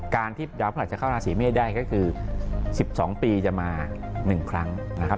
การที่ดาวพระหัสจะเข้าราศีเมษได้ก็คือ๑๒ปีจะมา๑ครั้งนะครับ